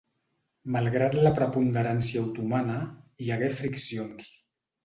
Malgrat la preponderància otomana, hi hagué friccions.